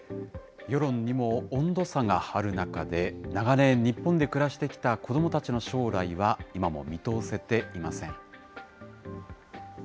世論にも温度差がある中で、長年、日本で暮らしてきた子どもたちの将来は今も見通せていません。